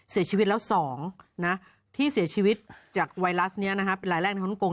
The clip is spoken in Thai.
เสียชีวิตแล้ว๒ที่เสียชีวิตจากไวรัสนี้เป็นรายแรกในฮ่องกง